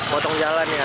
potong jalan ya